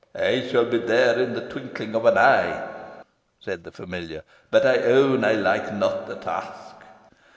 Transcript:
"I shall be there in the twinkling of an eye," said the familiar; "but I own I like not the task."